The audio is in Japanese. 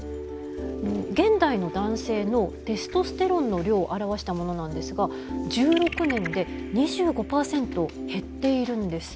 現代の男性のテストステロンの量を表したものなんですが１６年で２５％減っているんです。